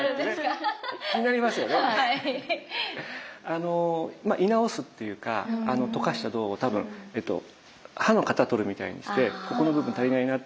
あの鋳直すっていうか溶かした銅を多分歯の型とるみたいにしてここの部分足りないな。